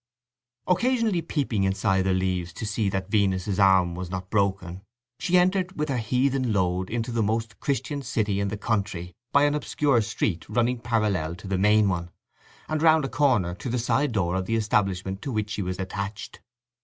Occasionally peeping inside the leaves to see that Venus's arm was not broken, she entered with her heathen load into the most Christian city in the country by an obscure street running parallel to the main one, and round a corner to the side door of the establishment to which she was attached.